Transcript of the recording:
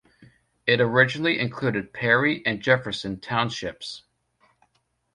It originally included Perry and Jefferson townships.